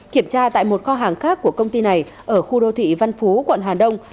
kiểm tra tại một kho hàng khác của công ty này ở khu đô thị văn phú quận hà đông